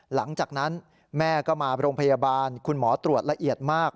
หลังจากนั้นแม่ก็มาโรงพยาบาลคุณหมอตรวจละเอียดมาก